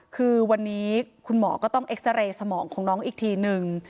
คือวันนี้คุณหมอก็ต้องเอ็กซาเรย์สมองของน้องอีกทีนึง